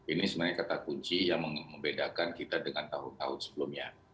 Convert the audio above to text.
ini sebenarnya kata kunci yang membedakan kita dengan tahun tahun sebelumnya